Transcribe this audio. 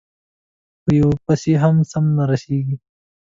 په یوه پسې هم سم نه رسېږي،